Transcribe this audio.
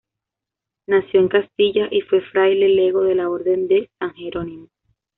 Nació en Castilla y fue fraile lego de la Orden de San Jerónimo.